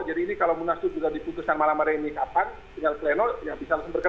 jadi ini kalau munasub juga diputuskan malam hari ini kapan tinggal pleno ya bisa langsung berkeras